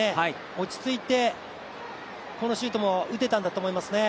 落ち着いて、このシュートも打てたんだと思いますね。